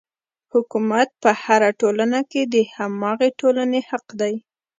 حکومت په هره ټولنه کې د هماغې ټولنې حق دی.